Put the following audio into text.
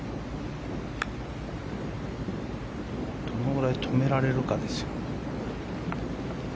どのぐらい止められるかですよ。